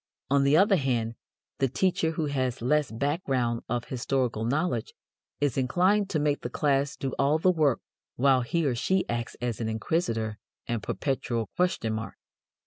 On the other hand, the teacher who has less background of historical knowledge is inclined to make the class do all the work while he or she acts as inquisitor and perpetual question mark.